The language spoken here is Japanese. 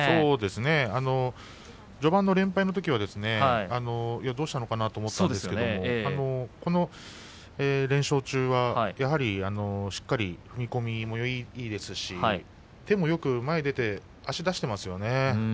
序盤の連敗のときはどうしたのかなと思いましたがこの連勝中はしっかりと踏み込みもいいですし手もよく前に出て足も出していますね。